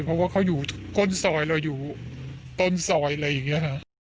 เพราะว่าเขาอยู่ก้นซอยเราอยู่ต้นซอยอะไรอย่างนี้ค่ะ